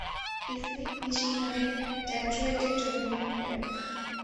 Smith মিশিগানের ডেট্রয়েটে জন্মগ্রহণ করেন।